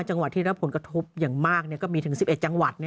จังหวัดที่เล่าผลกระทบอย่างมากเนี่ยก็มีถึง๑๑จังหวัดแน่